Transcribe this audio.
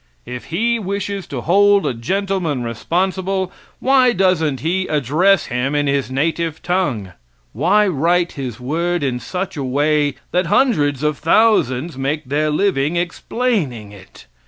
If He wishes to hold a gentleman responsible, why doesn't He address him in his native tongue? Why write His word in such a way that hundreds of thousands make their living explaining it?